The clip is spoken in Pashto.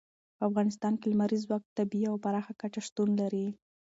په افغانستان کې لمریز ځواک په طبیعي او پراخه کچه شتون لري.